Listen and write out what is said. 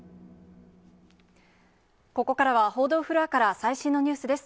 ここからは報道フロアから最新のニュースです。